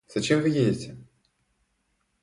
Зачем вы едете?